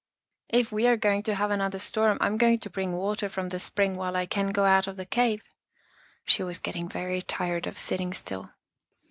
" If we are going to have another storm I am going to bring water from the spring while I can go out of the cave." She was getting very tired of sitting still.